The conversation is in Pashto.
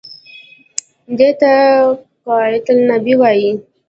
دې ته قبة النبي وایي.